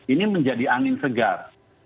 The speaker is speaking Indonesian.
ini menjadi angin segar